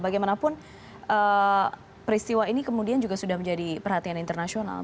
bagaimanapun peristiwa ini kemudian juga sudah menjadi perhatian internasional